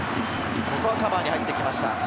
ここはカバーに入ってきました。